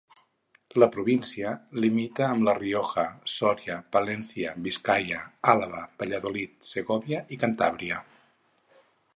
La província limita amb La Rioja, Sòria, Palència, Biscaia, Àlaba, Valladolid, Segòvia i Cantàbria.